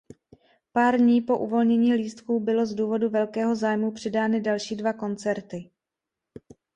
Pár dní po uvolnění lístku bylo z důvodu velkého zájmu přidány další dva koncerty.